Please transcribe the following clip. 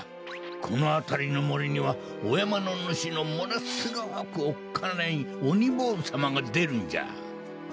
このあたりのもりにはおやまのぬしのものすごくおっかないおにぼうずさまがでるんじゃ。